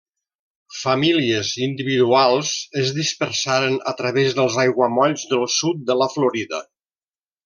Famílies individuals es dispersaren a través dels aiguamolls del sud de la Florida.